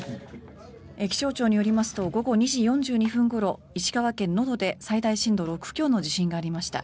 気象庁によりますと午後２時４２分ごろ石川県能登で最大震度６強の地震がありました。